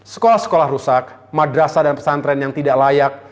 sekolah sekolah rusak madrasah dan pesantren yang tidak layak